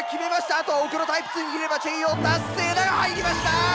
あとは奥のタイプ２に入れればチェイヨー達成だが入りました！